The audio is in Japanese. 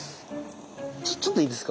ちょっといいですか？